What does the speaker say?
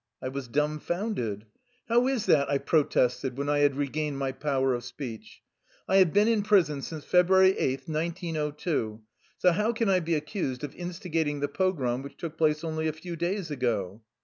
" I was dumfounded. " How is that? " I protested when I had re gained my power of speech. " I have been in prison since February 8, 1902, so how can I be accused of instigating the pogrom which took place only a few days ago?